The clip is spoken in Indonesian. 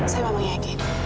saya memang yakin